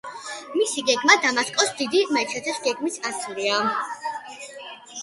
მისი გეგმა დამასკოს დიდი მეჩეთის გეგმის ასლია.